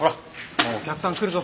もうお客さん来るぞ。